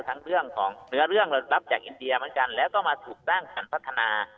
ทั้งเรื่องของเนื้อเรื่องเรารับจากอินเดียเหมือนกันแล้วก็มาถูกด้านการพัฒนา